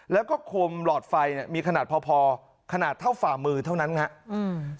แล้วก็โครมหลอดไฟมีขนาดพอขนาดเท่าฝ่ามือเท่านั้นนะฮะ